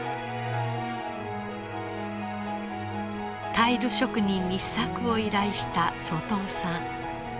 タイル職人に試作を依頼した外尾さん。